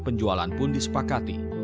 penjualan pun disepakati